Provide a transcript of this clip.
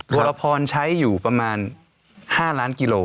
วรพรใช้อยู่ประมาณ๕ล้านกิโล